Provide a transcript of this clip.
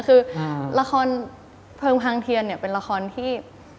คือละครเพลิงพังเทียนเนี่ยเป็นละครที่